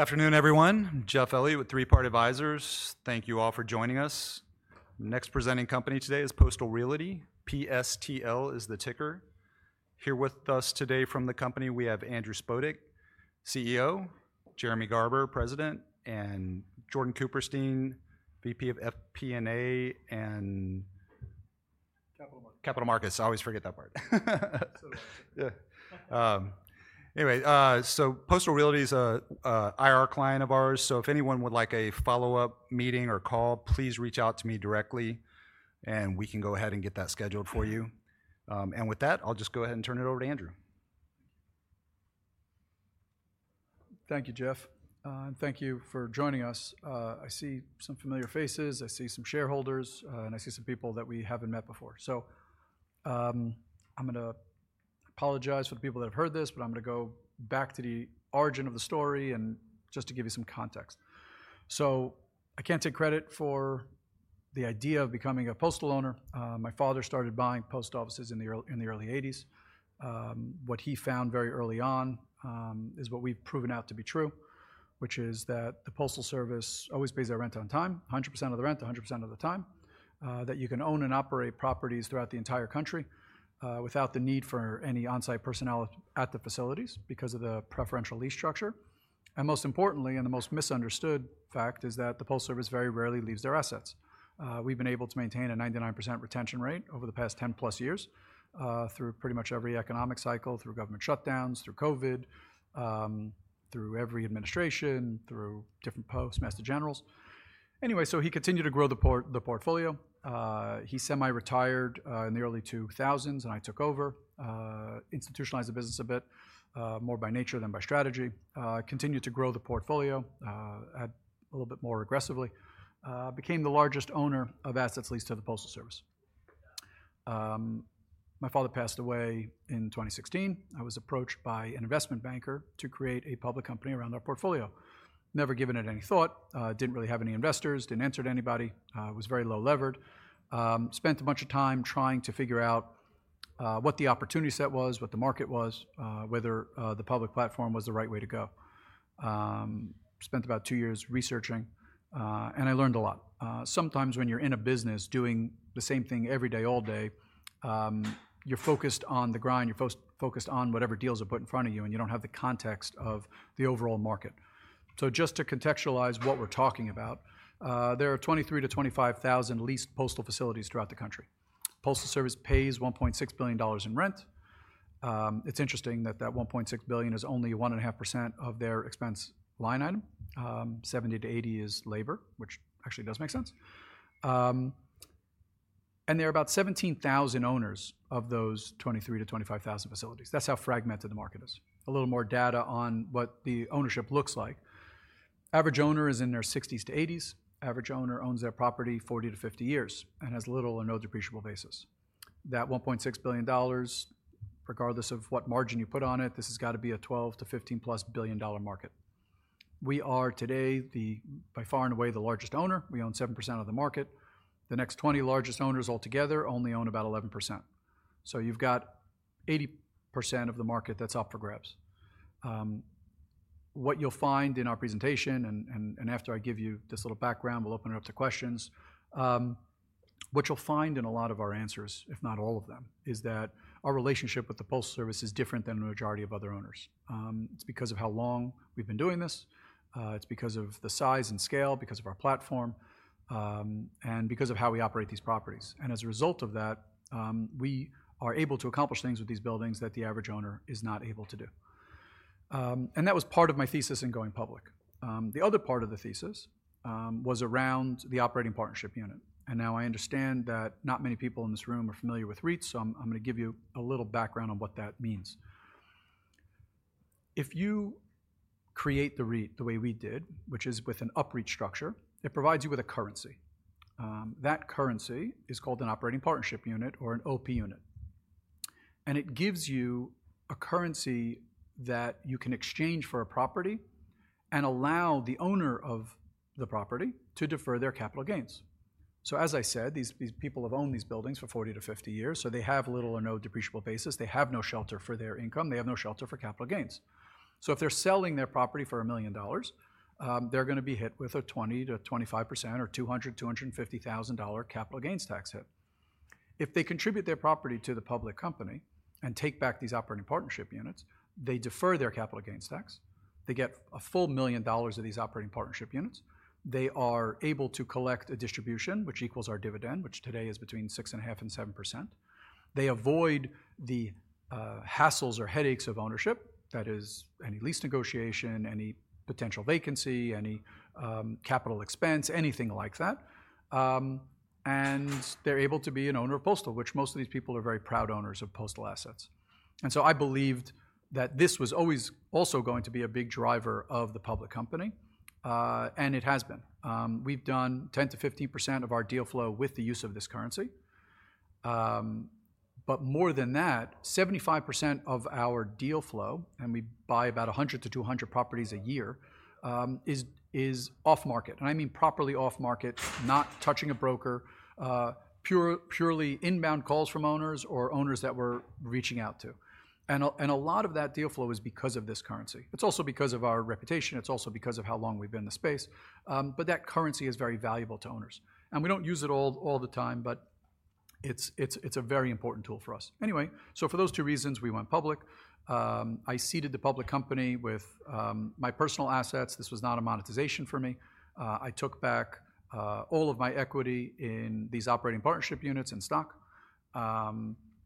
Afternoon, everyone. Jeff Elliott with Three Part Advisors. Thank you all for joining us. Next presenting company today is Postal Realty. PSTL is the ticker. Here with us today from the company, we have Andrew Spodek, CEO, Jeremy Garber, President, and Jordan Cooperstein, VP of FP&A and. Capital Markets. Capital Markets. I always forget that part. Absolutely. Yeah. Anyway, Postal Realty is an IR client of ours. If anyone would like a follow-up meeting or call, please reach out to me directly, and we can go ahead and get that scheduled for you. With that, I'll just go ahead and turn it over to Andrew. Thank you, Jeff. Thank you for joining us. I see some familiar faces. I see some shareholders, and I see some people that we have not met before. I am going to apologize for the people that have heard this, but I am going to go back to the origin of the story just to give you some context. I cannot take credit for the idea of becoming a postal owner. My father started buying post offices in the early 1980s. What he found very early on is what we have proven out to be true, which is that the Postal Service always pays their rent on time, 100% of the rent, 100% of the time. You can own and operate properties throughout the entire country without the need for any on-site personnel at the facilities because of the preferential lease structure. Most importantly, and the most misunderstood fact is that the postal service very rarely leaves their assets. We've been able to maintain a 99% retention rate over the past 10-plus years through pretty much every economic cycle, through government shutdowns, through COVID, through every administration, through different postmaster generals. Anyway, he continued to grow the portfolio. He semi-retired in the early 2000s, and I took over, institutionalized the business a bit more by nature than by strategy, continued to grow the portfolio a little bit more aggressively, became the largest owner of assets leased to the postal service. My father passed away in 2016. I was approached by an investment banker to create a public company around our portfolio. Never given it any thought, didn't really have any investors, didn't answer to anybody, was very low-levered. Spent a bunch of time trying to figure out what the opportunity set was, what the market was, whether the public platform was the right way to go. Spent about two years researching, and I learned a lot. Sometimes when you're in a business doing the same thing every day, all day, you're focused on the grind, you're focused on whatever deals are put in front of you, and you don't have the context of the overall market. Just to contextualize what we're talking about, there are 23,000-25,000 leased postal facilities throughout the country. Postal service pays $1.6 billion in rent. It's interesting that that $1.6 billion is only 1.5% of their expense line item. 70-80% is labor, which actually does make sense. There are about 17,000 owners of those 23,000-25,000 facilities. That's how fragmented the market is. A little more data on what the ownership looks like. Average owner is in their 60s - 80s. Average owner owns their property 40-50 years and has little or no depreciable basis. That $1.6 billion, regardless of what margin you put on it, this has got to be a $12-15 billion market. We are today, by far and away, the largest owner. We own 7% of the market. The next 20 largest owners altogether only own about 11%. So you have 80% of the market that's up for grabs. What you'll find in our presentation, and after I give you this little background, we'll open it up to questions. What you'll find in a lot of our answers, if not all of them, is that our relationship with the postal service is different than the majority of other owners. It's because of how long we've been doing this. It's because of the size and scale, because of our platform, and because of how we operate these properties. As a result of that, we are able to accomplish things with these buildings that the average owner is not able to do. That was part of my thesis in going public. The other part of the thesis was around the Operating Partnership unit. I understand that not many people in this room are familiar with REITs, so I'm going to give you a little background on what that means. If you create the REIT the way we did, which is with an Up-C structure, it provides you with a currency. That currency is called an Operating Partnership unit or an OP unit. It gives you a currency that you can exchange for a property and allow the owner of the property to defer their capital gains. As I said, these people have owned these buildings for 40 - 50 years, so they have little or no depreciable basis. They have no shelter for their income. They have no shelter for capital gains. If they are selling their property for $1 million, they are going to be hit with a 20-25% or $200,000-$250,000 capital gains tax hit. If they contribute their property to the public company and take back these Operating Partnership units, they defer their capital gains tax. They get a full $1 million of these Operating Partnership units. They are able to collect a distribution, which equals our dividend, which today is between 6.5-7%. They avoid the hassles or headaches of ownership, that is, any lease negotiation, any potential vacancy, any capital expense, anything like that. They are able to be an owner of postal, which most of these people are very proud owners of postal assets. I believed that this was always also going to be a big driver of the public company, and it has been. We have done 10%-15% of our deal flow with the use of this currency. More than that, 75% of our deal flow, and we buy about 100-200 properties a year, is off-market. I mean properly off-market, not touching a broker, purely inbound calls from owners or owners that we are reaching out to. A lot of that deal flow is because of this currency. It is also because of our reputation. It's also because of how long we've been in the space. That currency is very valuable to owners. We don't use it all the time, but it's a very important tool for us. Anyway, for those two reasons, we went public. I seeded the public company with my personal assets. This was not a monetization for me. I took back all of my equity in these Operating Partnership units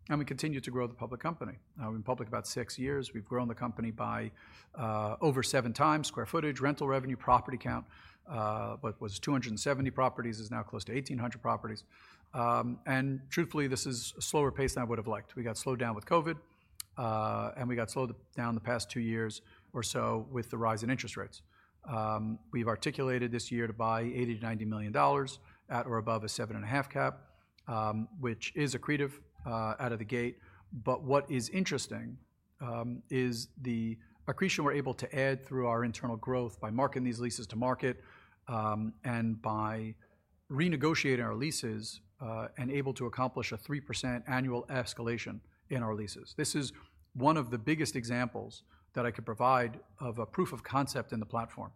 and stock. We continued to grow the public company. Now we've been public about six years. We've grown the company by over seven times: square footage, rental revenue, property count. What was 270 properties is now close to 1,800 properties. Truthfully, this is a slower pace than I would have liked. We got slowed down with COVID, and we got slowed down the past two years or so with the rise in interest rates. We've articulated this year to buy $80-$90 million at or above a 7.5% cap, which is accretive out of the gate. What is interesting is the accretion we're able to add through our internal growth by marketing these leases to market and by renegotiating our leases and able to accomplish a 3% annual escalation in our leases. This is one of the biggest examples that I could provide of a proof of concept in the platform.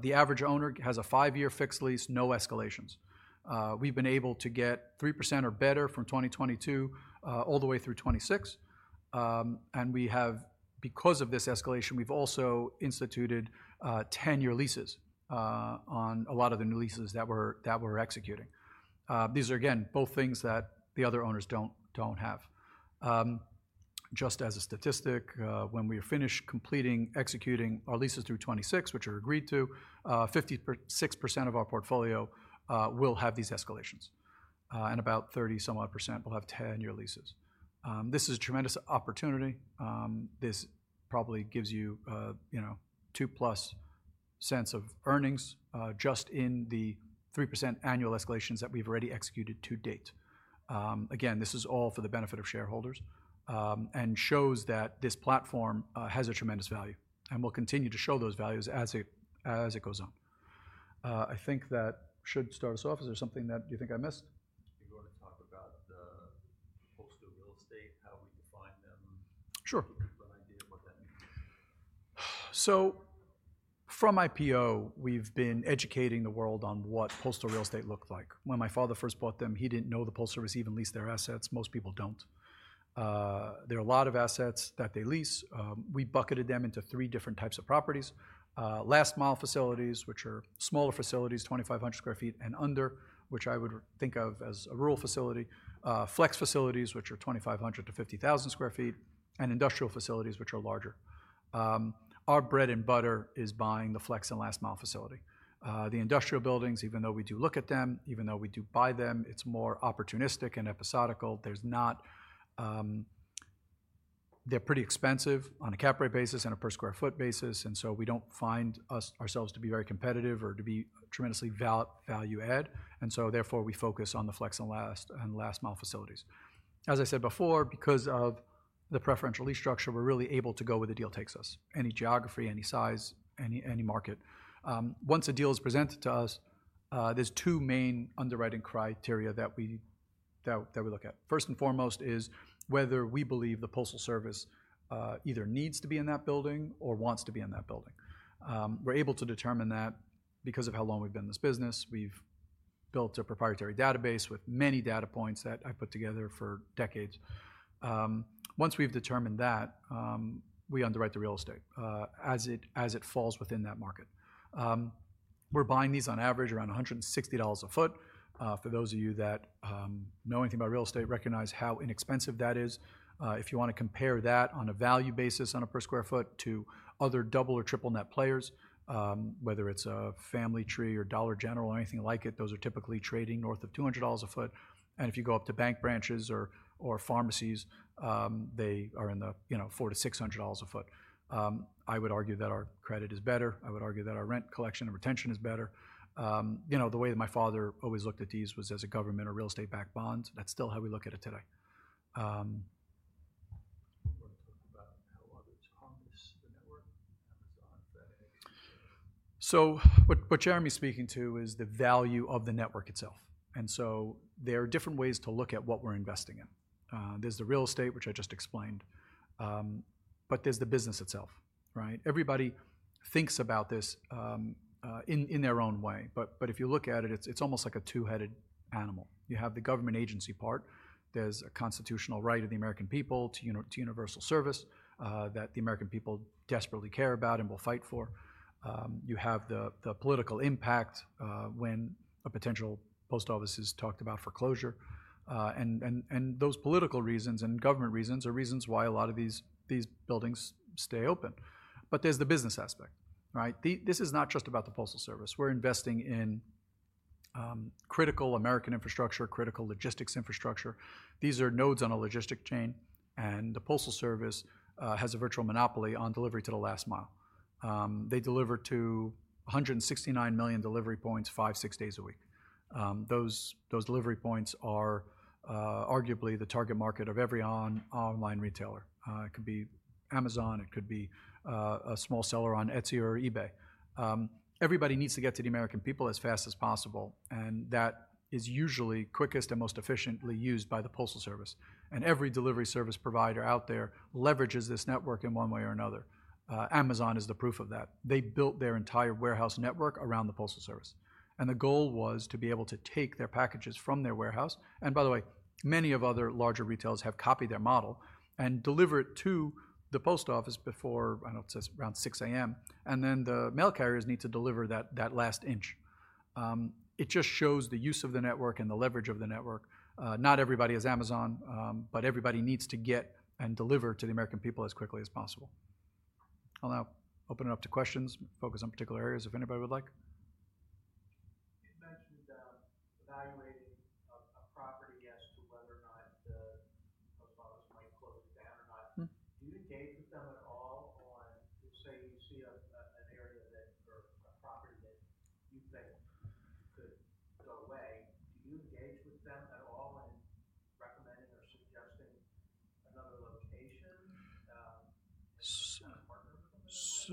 The average owner has a five-year fixed lease, no escalations. We've been able to get 3% or better from 2022 all the way through 2026. Because of this escalation, we've also instituted 10-year leases on a lot of the new leases that we're executing. These are, again, both things that the other owners don't have. Just as a statistic, when we are finished completing executing our leases through 2026, which are agreed to, 56% of our portfolio will have these escalations. And about 30-some-odd percent will have 10-year leases. This is a tremendous opportunity. This probably gives you 2-plus cents of earnings just in the 3% annual escalations that we've already executed to date. Again, this is all for the benefit of shareholders and shows that this platform has a tremendous value and will continue to show those values as it goes on. I think that should start us off. Is there something that you think I missed? You want to talk about the postal real estate, how we define them. Sure. Give you an idea of what that means. From IPO, we've been educating the world on what postal real estate looked like. When my father first bought them, he didn't know the Postal Service even leased their assets. Most people don't. There are a lot of assets that they lease. We bucketed them into three different types of properties: Last-mile facilities, which are smaller facilities, 2,500 sq ft and under, which I would think of as a rural facility; Flex facilities, which are 2,500 to 50,000 sq ft; and Industrial facilities, which are larger. Our bread and butter is buying the flex and last-mile facility. The industrial buildings, even though we do look at them, even though we do buy them, it's more opportunistic and episodical. They're pretty expensive on a cap rate basis and a per sq ft basis. We don't find ourselves to be very competitive or to be tremendously value-added. Therefore, we focus on the flex and last-mile facilities. As I said before, because of the preferential lease structure, we're really able to go where the deal takes us, any geography, any size, any market. Once a deal is presented to us, there are two main underwriting criteria that we look at. First and foremost is whether we believe the postal service either needs to be in that building or wants to be in that building. We're able to determine that because of how long we've been in this business. We've built a proprietary database with many data points that I've put together for decades. Once we've determined that, we underwrite the real estate as it falls within that market. We're buying these on average around $160 a sq ft. For those of you that know anything about real estate, recognize how inexpensive that is. If you want to compare that on a value basis on a per square foot to other double or triple-net players, whether it's a Family Dollar or Dollar General or anything like it, those are typically trading north of $200 a foot. If you go up to bank branches or pharmacies, they are in the $400-$600 a foot. I would argue that our credit is better. I would argue that our rent collection and retention is better. The way that my father always looked at these was as a government or real estate-backed bond. That is still how we look at it today. You want to talk about how others harness the network? Amazon, FedEx. What Jeremy's speaking to is the value of the network itself. There are different ways to look at what we're investing in. There's the real estate, which I just explained, but there's the business itself. Everybody thinks about this in their own way. If you look at it, it's almost like a two-headed animal. You have the government agency part. There's a constitutional right of the American people to universal service that the American people desperately care about and will fight for. You have the political impact when a potential post office is talked about for closure. Those political reasons and government reasons are reasons why a lot of these buildings stay open. There's the business aspect. This is not just about the postal service. We're investing in critical American infrastructure, critical logistics infrastructure. These are nodes on a logistic chain. The postal service has a virtual monopoly on delivery to the last mile. They deliver to 169 million delivery points five or six days a week. Those delivery points are arguably the target market of every online retailer. It could be Amazon. It could be a small seller on Etsy or eBay. Everybody needs to get to the American people as fast as possible. That is usually quickest and most efficiently used by the postal service. Every delivery service provider out there leverages this network in one way or another. Amazon is the proof of that. They built their entire warehouse network around the postal service. The goal was to be able to take their packages from their warehouse. By the way, many other larger retailers have copied their model and deliver it to the post office before, I do not know, it says around 6:00 A.M. The mail carriers need to deliver that last inch. It just shows the use of the network and the leverage of the network. Not everybody has Amazon, but everybody needs to get and deliver to the American people as quickly as possible. I will now open it up to questions. Focus on particular areas if anybody would like.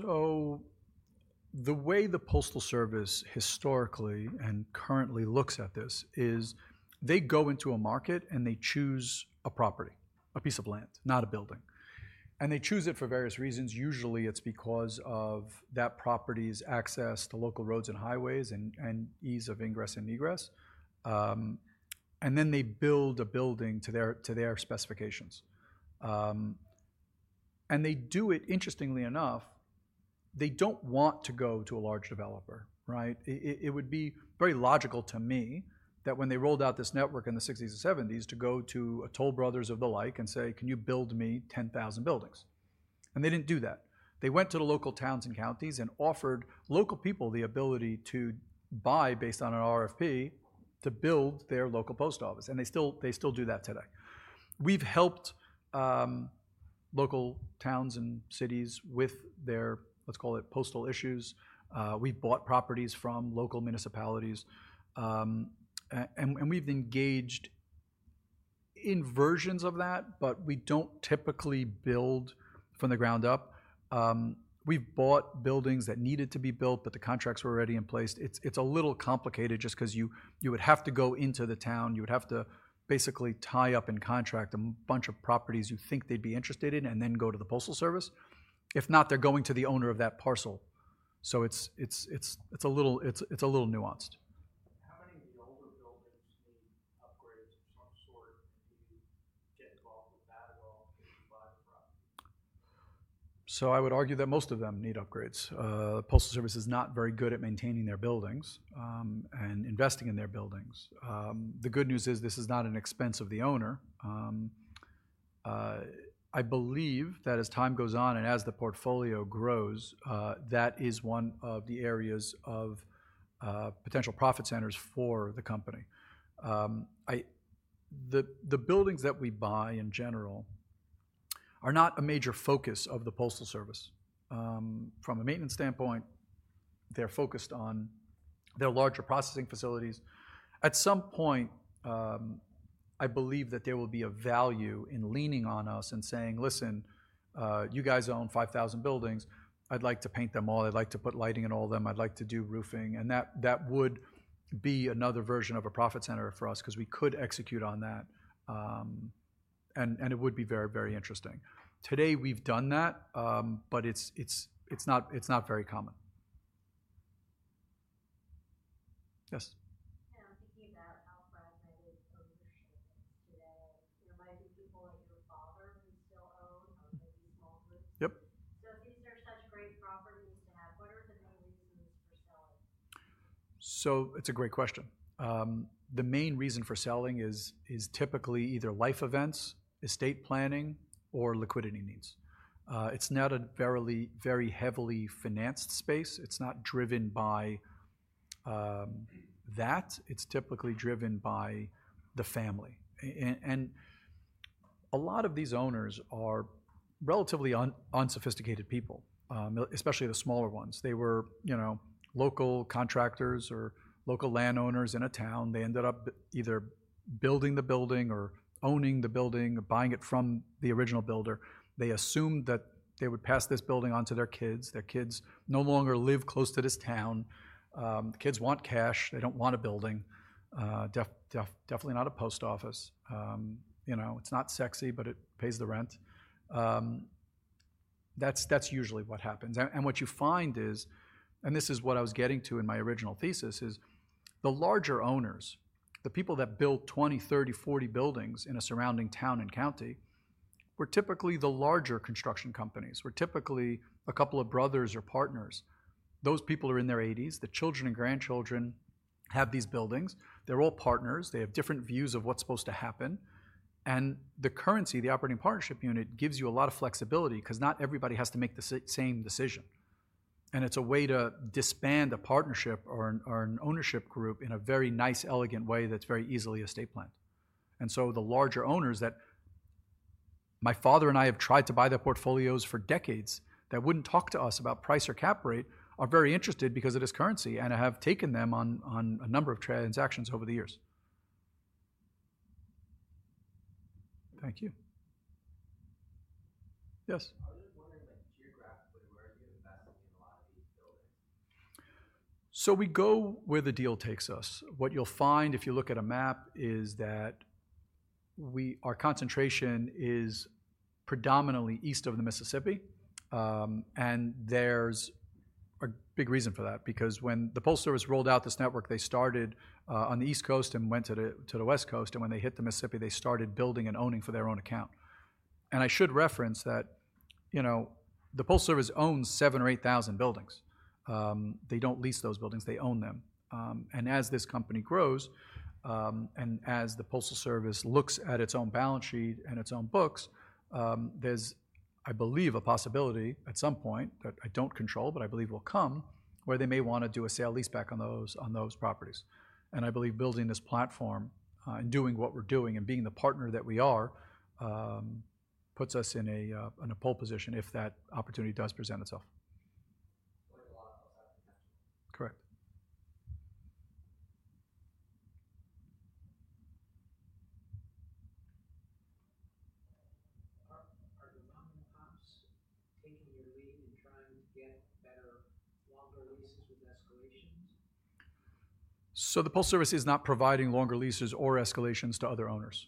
You mentioned evaluating a property as to whether or not the post office might close down or not. Do you engage with them at all on, say, you see an area or a property that you think could go away? Do you engage with them at all in recommending or suggesting another location or partner with them in that way? The way the postal service historically and currently looks at this is they go into a market and they choose a property, a piece of land, not a building. They choose it for various reasons. Usually, it's because of that property's access to local roads and highways and ease of ingress and egress. Then they build a building to their specifications. Interestingly enough, they don't want to go to a large developer. It would be very logical to me that when they rolled out this network in the 1960s and 1970s to go to a Toll Brothers of the like and say, "Can you build me 10,000 buildings?" They didn't do that. They went to the local towns and counties and offered local people the ability to buy, based on an RFP, to build their local post office. They still do that today. We've helped local towns and cities with their, let's call it, postal issues. We've bought properties from local municipalities. We've engaged in versions of that, but we don't typically build from the ground up. We've bought buildings that needed to be built, but the contracts were already in place. It's a little complicated just because you would have to go into the town. You would have to basically tie up in contract a bunch of properties you think they'd be interested in and then go to the postal service. If not, they're going to the owner of that parcel. It's a little nuanced. How many of the older buildings need upgrades of some sort? Do you get involved with that at all if you buy the property? I would argue that most of them need upgrades. The Postal Service is not very good at maintaining their buildings and investing in their buildings. The good news is this is not an expense of the owner. I believe that as time goes on and as the portfolio grows, that is one of the areas of potential profit centers for the company. The buildings that we buy, in general, are not a major focus of the Postal Service. From a maintenance standpoint, they're focused on their larger processing facilities. At some point, I believe that there will be a value in leaning on us and saying, "Listen, you guys own 5,000 buildings. I'd like to paint them all. I'd like to put lighting in all of them. I'd like to do roofing. That would be another version of a profit center for us because we could execute on that. It would be very, very interesting. Today, we've done that, but it's not very common. Yes? Yeah. I'm thinking about how fragmented ownership is today. There might be people like your father who still own or maybe small groups. Yep. If these are such great properties to have, what are the main reasons for selling? It's a great question. The main reason for selling is typically either life events, estate planning, or liquidity needs. It's not a very heavily financed space. It's not driven by that. It's typically driven by the family. A lot of these owners are relatively unsophisticated people, especially the smaller ones. They were local contractors or local landowners in a town. They ended up either building the building or owning the building or buying it from the original builder. They assumed that they would pass this building on to their kids. Their kids no longer live close to this town. The kids want cash. They don't want a building. Definitely not a post office. It's not sexy, but it pays the rent. That's usually what happens. What you find is, and this is what I was getting to in my original thesis, is the larger owners, the people that built 20, 30, 40 buildings in a surrounding town and county, were typically the larger construction companies, were typically a couple of brothers or partners. Those people are in their 80s. The children and grandchildren have these buildings. They're all partners. They have different views of what's supposed to happen. The currency, the Operating Partnership unit, gives you a lot of flexibility because not everybody has to make the same decision. It's a way to disband a partnership or an ownership group in a very nice, elegant way that's very easily estate planned. The larger owners that my father and I have tried to buy their portfolios for decades that would not talk to us about price or cap rate are very interested because of this currency and have taken them on a number of transactions over the years. Thank you. Yes? I was just wondering, geographically, where are you investing in a lot of these buildings? We go where the deal takes us. What you'll find if you look at a map is that our concentration is predominantly east of the Mississippi. There's a big reason for that because when the Postal Service rolled out this network, they started on the East Coast and went to the West Coast. When they hit the Mississippi, they started building and owning for their own account. I should reference that the Postal Service owns 7,000 or 8,000 buildings. They do not lease those buildings. They own them. As this company grows and as the Postal Service looks at its own balance sheet and its own books, there's, I believe, a possibility at some point that I do not control, but I believe will come, where they may want to do a sale leaseback on those properties. I believe building this platform and doing what we're doing and being the partner that we are puts us in a pole position if that opportunity does present itself. Like a lot of outside potential. Correct. Are the non-compacts taking your lead and trying to get better longer leases with escalations? The postal service is not providing longer leases or escalations to other owners.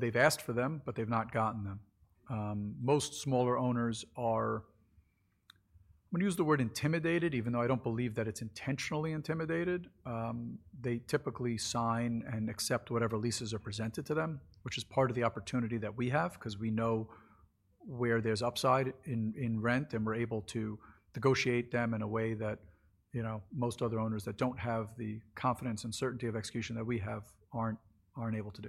They have asked for them, but they have not gotten them. Most smaller owners are, I'm going to use the word intimidated, even though I do not believe that it is intentionally intimidated. They typically sign and accept whatever leases are presented to them, which is part of the opportunity that we have because we know where there is upside in rent and we are able to negotiate them in a way that most other owners that do not have the confidence and certainty of execution that we have are not able to do.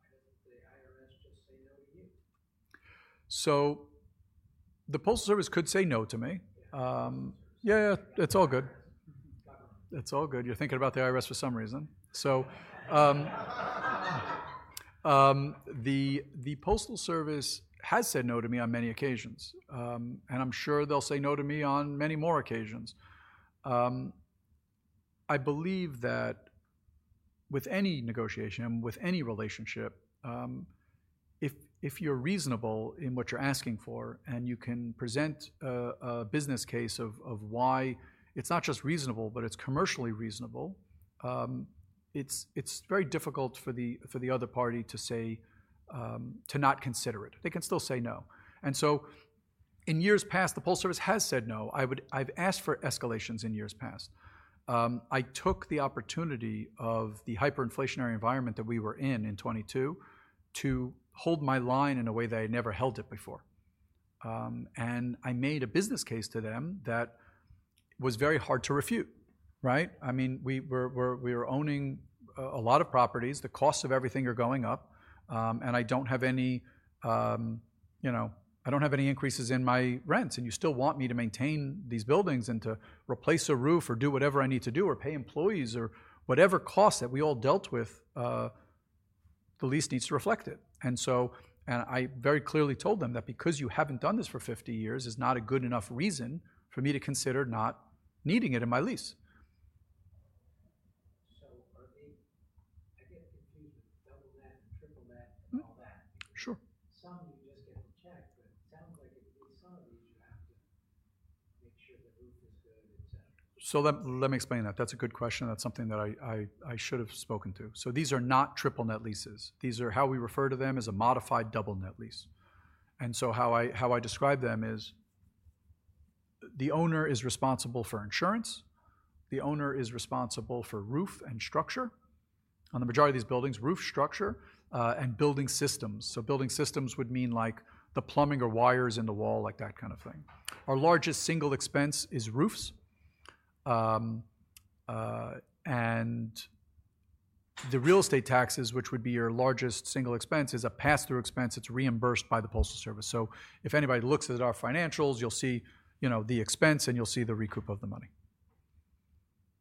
Why doesn't the IRS just say no to you? The postal service could say no to me. Yeah. Yeah, yeah. It's all good. It's all good. You're thinking about the IRS for some reason. The postal service has said no to me on many occasions. I'm sure they'll say no to me on many more occasions. I believe that with any negotiation and with any relationship, if you're reasonable in what you're asking for and you can present a business case of why it's not just reasonable, but it's commercially reasonable, it's very difficult for the other party to not consider it. They can still say no. In years past, the postal service has said no. I've asked for escalations in years past. I took the opportunity of the hyperinflationary environment that we were in in 2022 to hold my line in a way that I never held it before. I made a business case to them that was very hard to refute. I mean, we are owning a lot of properties. The costs of everything are going up. I do not have any increases in my rents. You still want me to maintain these buildings and to replace a roof or do whatever I need to do or pay employees or whatever costs that we all dealt with, the lease needs to reflect it. I very clearly told them that because you have not done this for 50 years is not a good enough reason for me to consider not needing it in my lease. I get confused with double net, triple net, and all that. Sure. Some you just get to check, but it sounds like in some of these you have to make sure the roof is good, etc. Let me explain that. That's a good question. That's something that I should have spoken to. These are not triple-net leases. These are how we refer to them as a modified double net lease. How I describe them is the owner is responsible for insurance. The owner is responsible for roof and structure. On the majority of these buildings, roof, structure, and building systems. Building systems would mean like the plumbing or wires in the wall, like that kind of thing. Our largest single expense is roofs. The real estate taxes, which would be your largest single expense, is a pass-through expense. It's reimbursed by the postal service. If anybody looks at our financials, you'll see the expense and you'll see the recoup of the money.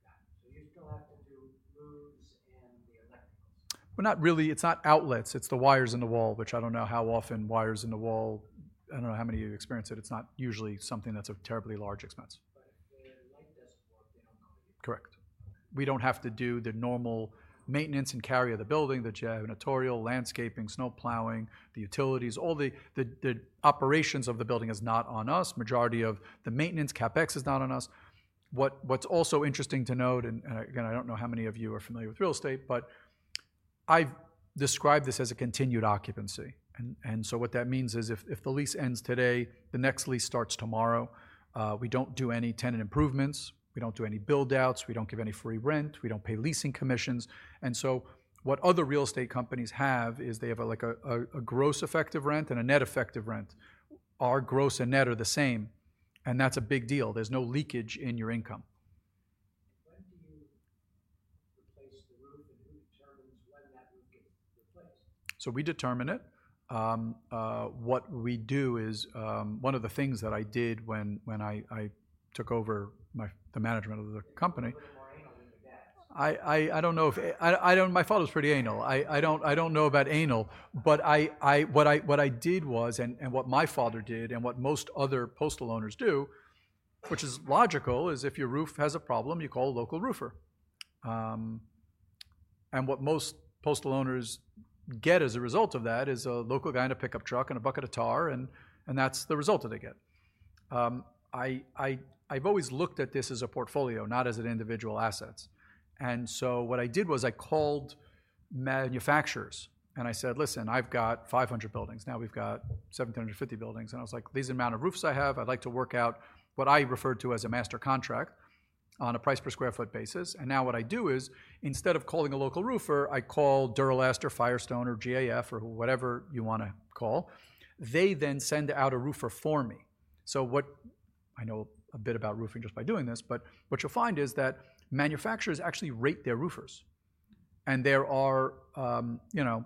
Got it. So you still have to do roofs and the electricals? It's not outlets. It's the wires in the wall, which I don't know how often wires in the wall. I don't know how many of you experience it. It's not usually something that's a terribly large expense. If the light doesn't work, they don't owe you. Correct. We do not have to do the normal maintenance and carry of the building, the janitorial, landscaping, snow plowing, the utilities. All the operations of the building is not on us. Majority of the maintenance, CapEx, is not on us. What is also interesting to note, and again, I do not know how many of you are familiar with real estate, but I have described this as a continued occupancy. What that means is if the lease ends today, the next lease starts tomorrow. We do not do any tenant improvements. We do not do any build-outs. We do not give any free rent. We do not pay leasing commissions. What other real estate companies have is they have a gross effective rent and a net effective rent. Our gross and net are the same. That is a big deal. There is no leakage in your income. When do you replace the roof and who determines when that roof gets replaced? We determine it. What we do is one of the things that I did when I took over the management of the company. You're a little more than you get. I do not know if my father's pretty anal. I do not know about anal. What I did was, and what my father did and what most other postal owners do, which is logical, is if your roof has a problem, you call a local roofer. What most postal owners get as a result of that is a local guy in a pickup truck and a bucket of tar. That is the result that they get. I have always looked at this as a portfolio, not as individual assets. What I did was I called manufacturers and I said, "Listen, I have got 500 buildings. Now we have got 1,750 buildings." I was like, "These are the amount of roofs I have. I'd like to work out what I refer to as a Master Contract on a price per sq ft basis. Now what I do is instead of calling a local roofer, I call Duralast or Firestone or GAF or whatever you want to call. They then send out a roofer for me. I know a bit about roofing just by doing this, but what you'll find is that manufacturers actually rate their roofers. There are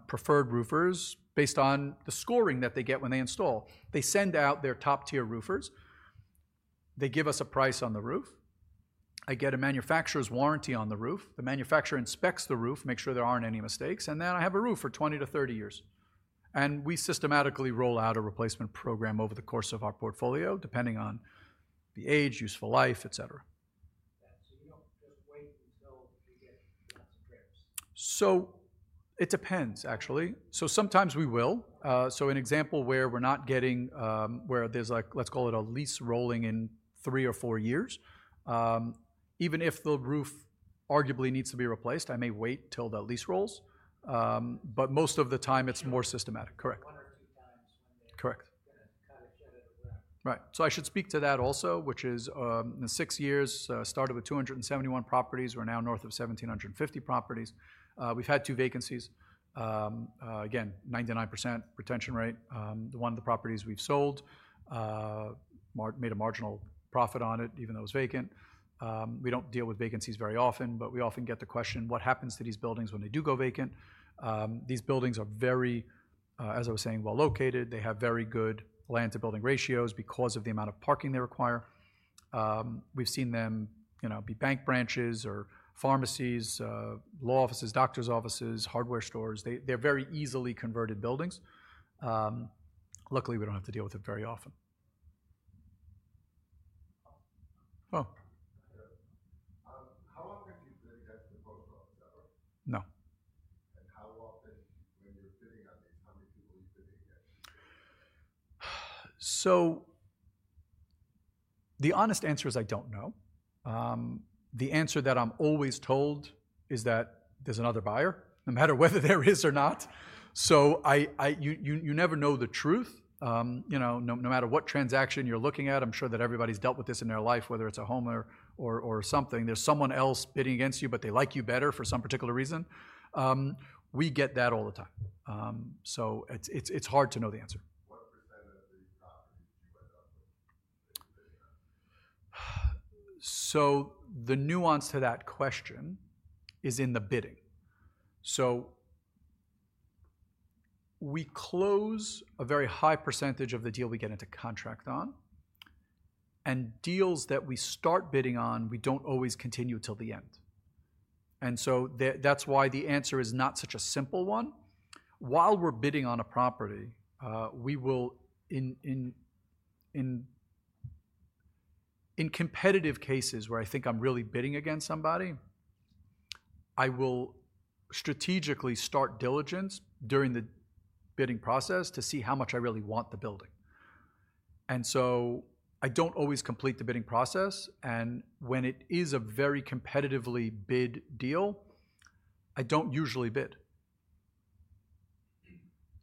preferred roofers based on the scoring that they get when they install. They send out their top-tier roofers. They give us a price on the roof. I get a Manufacturer's Warranty on the roof. The manufacturer inspects the roof, makes sure there aren't any mistakes. I have a roof for 20-30 years. We systematically roll out a replacement program over the course of our portfolio, depending on the age, useful life, etc. Yeah. So you do not just wait until you get lots of trips? It depends, actually. Sometimes we will. An example where we're not getting where there's, let's call it a lease rolling in three or four years, even if the roof arguably needs to be replaced, I may wait till the lease rolls. Most of the time, it's more systematic. Correct. One or two times when they're going to cut a shed at a roof. Right. I should speak to that also, which is in six years, started with 271 properties. We're now north of 1,750 properties. We've had two vacancies. Again, 99% retention rate. One of the properties we've sold, made a marginal profit on it, even though it was vacant. We do not deal with vacancies very often, but we often get the question, what happens to these buildings when they do go vacant? These buildings are very, as I was saying, well located. They have very good land-to-building ratios because of the amount of parking they require. We've seen them be bank branches or pharmacies, law offices, doctor's offices, hardware stores. They're very easily converted buildings. Luckily, we do not have to deal with it very often. How often do you fit it into the postal office hour? No. How often, when you're fitting out lease, how many people are you fitting in? The honest answer is I don't know. The answer that I'm always told is that there's another buyer, no matter whether there is or not. You never know the truth. No matter what transaction you're looking at, I'm sure that everybody's dealt with this in their life, whether it's a home or something. There's someone else bidding against you, but they like you better for some particular reason. We get that all the time. It's hard to know the answer. What percent of the property do you end up with that you're bidding on? The nuance to that question is in the bidding. We close a very high percentage of the deals we get into contract on. Deals that we start bidding on, we do not always continue until the end. That is why the answer is not such a simple one. While we are bidding on a property, in competitive cases where I think I am really bidding against somebody, I will strategically start diligence during the bidding process to see how much I really want the building. I do not always complete the bidding process. When it is a very competitively bid deal, I do not usually bid.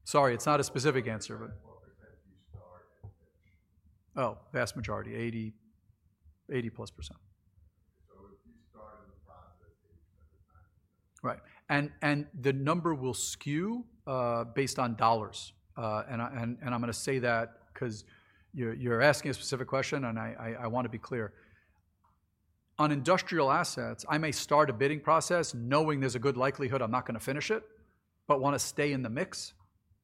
Sorry, it is not a specific answer, but. What percent do you start and finish? Oh, vast majority, 80% plus. If you start in the process, 80% plus. Right. The number will skew based on dollars. I'm going to say that because you're asking a specific question, and I want to be clear. On industrial assets, I may start a bidding process knowing there's a good likelihood I'm not going to finish it, but want to stay in the mix.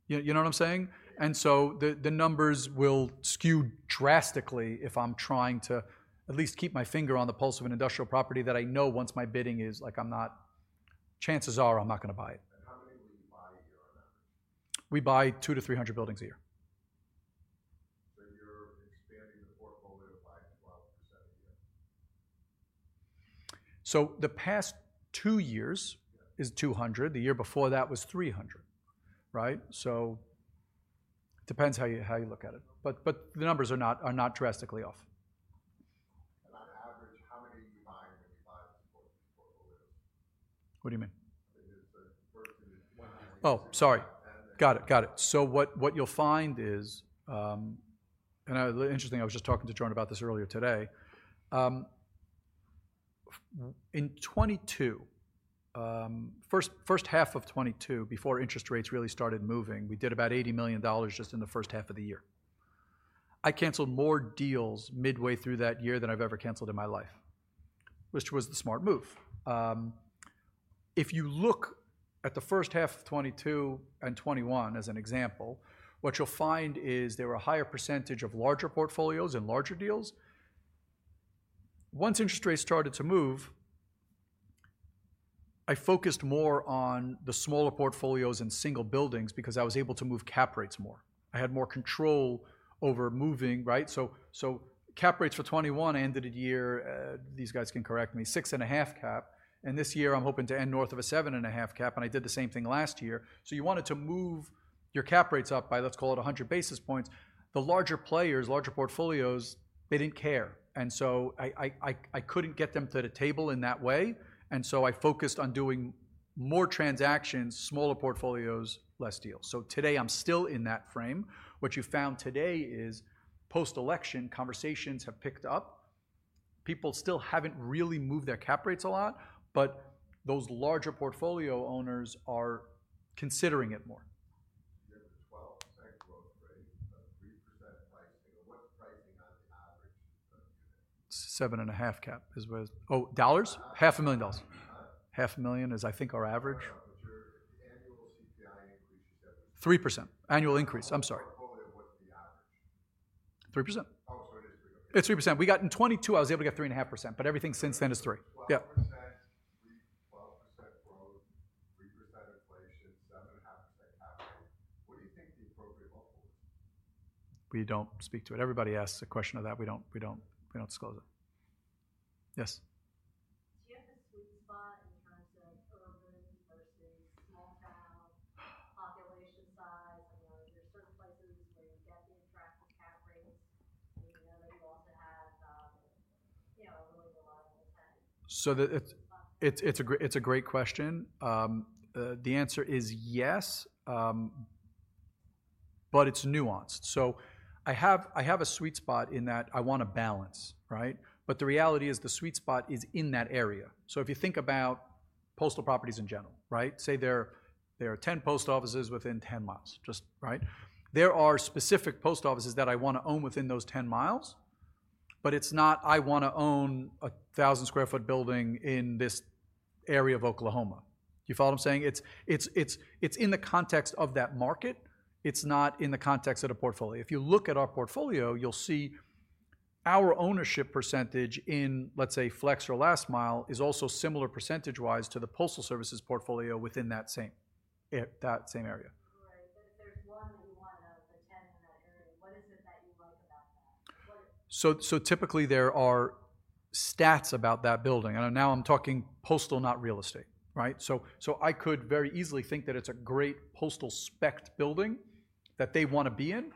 You know what I'm saying? The numbers will skew drastically if I'm trying to at least keep my finger on the pulse of an industrial property that I know once my bidding is, like, chances are I'm not going to buy it. How many will you buy a year on average? We buy 200-300 buildings a year. You're expanding the portfolio by 12% a year? The past two years is 200. The year before that was 300. Right? It depends how you look at it. The numbers are not drastically off. On average, how many do you buy when you buy this portfolio? What do you mean? It is worth $100. Oh, sorry. Got it. Got it. So what you'll find is, and it's interesting, I was just talking to Jordan about this earlier today. In 2022, first half of 2022, before interest rates really started moving, we did about $80 million just in the first half of the year. I canceled more deals midway through that year than I've ever canceled in my life, which was the smart move. If you look at the first half of 2022 and 2021 as an example, what you'll find is there were a higher percentage of larger portfolios and larger deals. Once interest rates started to move, I focused more on the smaller portfolios and single buildings because I was able to move cap rates more. I had more control over moving. Right? So cap rates for 2021 ended a year, these guys can correct me, 6.5% cap. This year, I'm hoping to end north of a 7.5% cap. I did the same thing last year. You wanted to move your cap rates up by, let's call it, 100 basis points. The larger players, larger portfolios, they did not care. I could not get them to the table in that way. I focused on doing more transactions, smaller portfolios, less deals. Today, I'm still in that frame. What you found today is post-election conversations have picked up. People still have not really moved their cap rates a lot, but those larger portfolio owners are considering it more. You have a 12% growth rate, 3% pricing. What's pricing on the average per unit? 7.5% cap is what it is. Oh, dollars? $500,000. $500,000 is, I think, our average. Your annual CPI increase is every year. 3%. Annual increase. I'm sorry. Portfolio was the average. 3%. Oh, so it is 3%. It's 3%. We got in 2022, I was able to get 3.5%, but everything since then is 3%. Yeah. 12% growth, 3% inflation, 7.5% cap rate. What do you think the appropriate level is? We do not speak to it. Everybody asks a question of that. We do not disclose it. Yes. Do you have a sweet spot in terms of urban versus small-town population size? I mean, are there certain places where you get the attractive cap rates? I mean, do you also have a really reliable 10? It's a great question. The answer is yes, but it's nuanced. I have a sweet spot in that I want to balance. Right? The reality is the sweet spot is in that area. If you think about postal properties in general, right, say there are 10 post offices within 10 mi. Right? There are specific post offices that I want to own within those 10 mi, but it's not I want to own a 1,000 sq ft building in this area of Oklahoma. Do you follow what I'm saying? It's in the context of that market. It's not in the context of the portfolio. If you look at our portfolio, you'll see our ownership percentage in, let's say, Flex or Last Mile is also similar percentage-wise to the postal services portfolio within that same area. Right. If there is one in one of the 10 in that area, what is it that you like about that? Typically, there are stats about that building. Now, I'm talking postal, not real estate, right? I could very easily think that it's a great postal-spec building that they want to be in,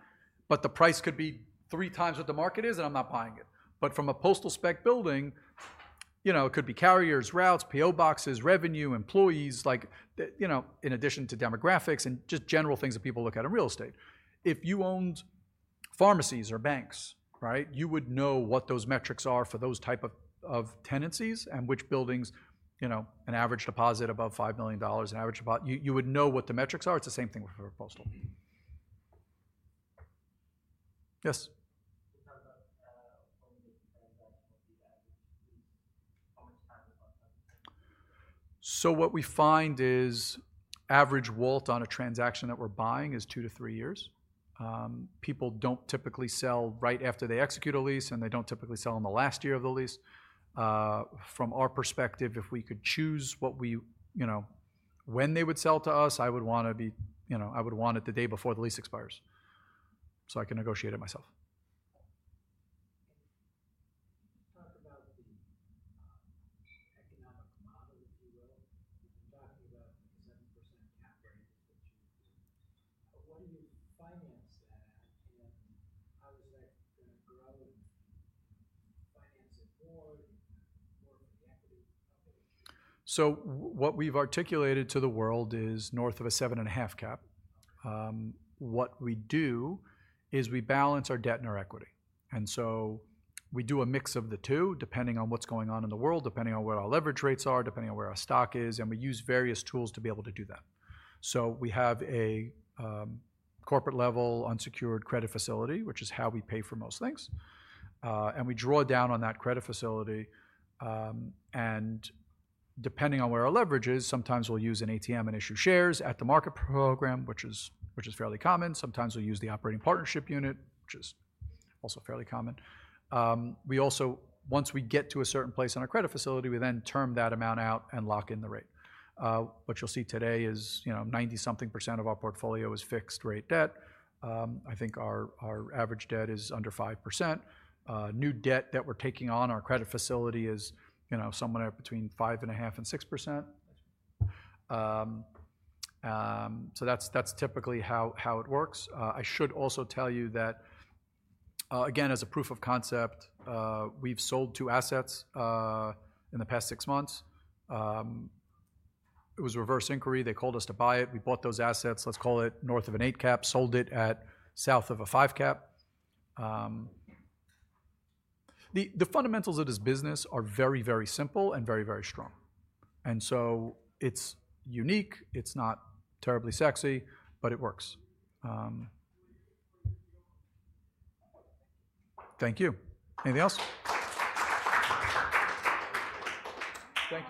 but the price could be three times what the market is, and I'm not buying it. From a postal-spec building, it could be carriers, routes, P.O. boxes, revenue, employees, in addition to demographics and just general things that people look at in real estate. If you owned pharmacies or banks, right, you would know what those metrics are for those types of tenancies and which buildings, an average deposit above $5 million, an average deposit, you would know what the metrics are. It's the same thing for postal. Yes. We talked about what we get from transactional fee average. How much time does one spend? What we find is average WALT on a transaction that we're buying is two to three years. People don't typically sell right after they execute a lease, and they don't typically sell in the last year of the lease. From our perspective, if we could choose when they would sell to us, I would want it the day before the lease expires so I can negotiate it myself. We talked about the economic model, if you will. We've been talking about the 7% cap rate that you do. What do you finance that at? How is that going to grow? Finance it more? More for the equity company? What we've articulated to the world is north of a 7.5% cap. What we do is we balance our debt and our equity. We do a mix of the two, depending on what's going on in the world, depending on what our leverage rates are, depending on where our stock is. We use various tools to be able to do that. We have a corporate-level unsecured credit facility, which is how we pay for most things. We draw down on that credit facility. Depending on where our leverage is, sometimes we'll use an ATM and issue shares at the market program, which is fairly common. Sometimes we'll use the operating partnership unit, which is also fairly common. Once we get to a certain place on our credit facility, we then term that amount out and lock in the rate. What you'll see today is 90-something percent of our portfolio is fixed-rate debt. I think our average debt is under 5%. New debt that we're taking on our credit facility is somewhere between 5.5-6%. That's typically how it works. I should also tell you that, again, as a proof of concept, we've sold two assets in the past six months. It was a reverse inquiry. They called us to buy it. We bought those assets. Let's call it north of an 8% cap, sold it at south of a 5% cap. The fundamentals of this business are very, very simple and very, very strong. It is unique. It is not terribly sexy, but it works. Thank you. Anything else? Thank you.